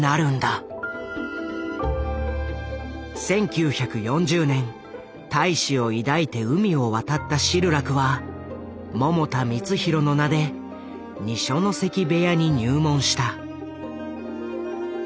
１９４０年大志を抱いて海を渡ったシルラクは百田光浩の名で二所ノ関部屋に入門した。